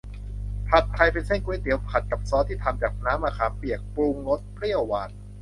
ผัดไทยเป็นเส้นก๋วยเตี๋ยวผัดกับซอสที่ทำจากน้ำมะขามเปียก ปรุงรสเปรี้ยวหวาน